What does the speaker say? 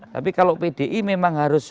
tapi kalau pdi memang harus